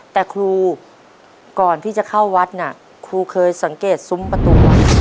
แต่ครูก่อนที่จะเข้าวัดน่ะครูเคยสังเกตซุ้มประตู